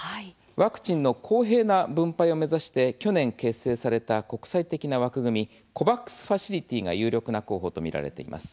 ワクチンの公平な分配を目指し去年、結成された国際的な枠組みＣＯＶＡＸファシリティが有力な候補とみられています。